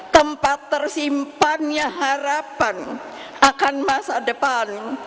tempat tersimpannya harapan akan masa depan